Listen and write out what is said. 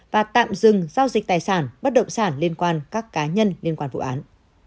và tạm dừng giao dịch tài sản bất động sản liên quan các cá nhân liên quan vụ án